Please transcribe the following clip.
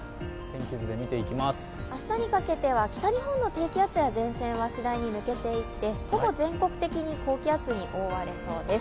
明日にかけては北日本の低気圧や前線は次第に抜けていって、ほぼ全国的に高気圧に覆われそうです。